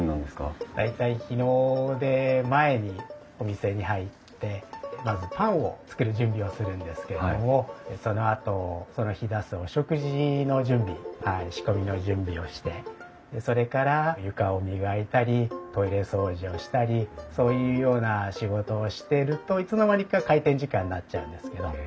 大体日の出前にお店に入ってまずパンを作る準備をするんですけれどもそのあとその日出すお食事の準備仕込みの準備をしてそれから床を磨いたりトイレ掃除をしたりそういうような仕事をしているといつの間にか開店時間になっちゃうんですけど。